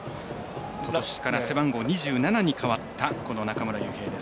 ことしから背番号２７に変わった中村悠平。